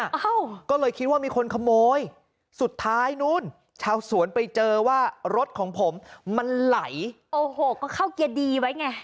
เอ้าก็เลยคิดว่ามีคนขโมยสุดท้ายนู้นชาวสวนไปเจอว่ารถของผมมันไหลโอ้โหก็เข้าเกียร์ดีไว้ไง